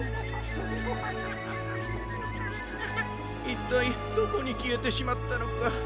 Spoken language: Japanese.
いったいどこにきえてしまったのか。